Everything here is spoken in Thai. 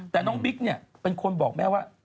แต่น้องบิ๊กเนี่ยเป็นคนบอกแม่ว่า